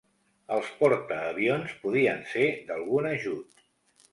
Els portaavions podien ser d'algun ajut.